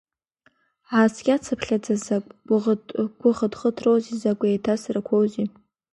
Ҳааскьацыԥхьаӡа закә гәыхыҭхыҭроузеи, закә еиҭасрақәоузеи!